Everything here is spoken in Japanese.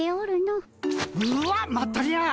うわっまったり屋。